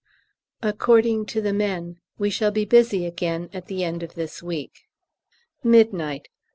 According to the men, we shall be busy again at the end of this week. _Midnight.